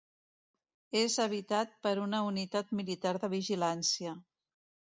És habitat per una unitat militar de vigilància.